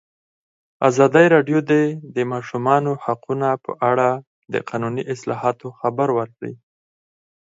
ازادي راډیو د د ماشومانو حقونه په اړه د قانوني اصلاحاتو خبر ورکړی.